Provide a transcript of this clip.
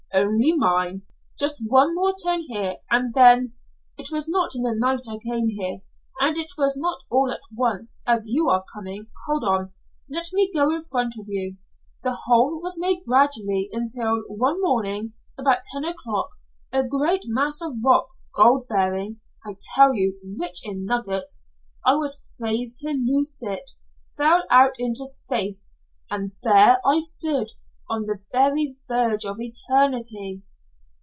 "Only mine. Just one more turn here and then ! It was not in the night I came here, and it was not all at once, as you are coming hold on! Let me go in front of you. The hole was made gradually, until, one morning about ten o'clock, a great mass of rock gold bearing, I tell you rich in nuggets I was crazed to lose it fell out into space, and there I stood on the very verge of eternity."